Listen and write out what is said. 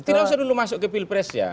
tidak usah dulu masuk ke pilpres ya